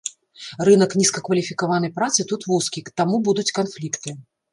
Рынак нізкакваліфікаванай працы тут вузкі, таму будуць канфлікты.